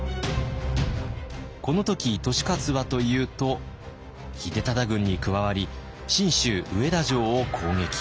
この時利勝はというと秀忠軍に加わり信州上田城を攻撃。